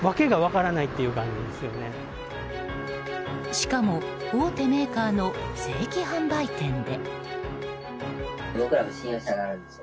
しかも大手メーカーの正規販売店で。